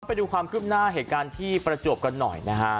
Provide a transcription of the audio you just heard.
ไปดูความคืบหน้าเหตุการณ์ที่ประจวบกันหน่อยนะฮะ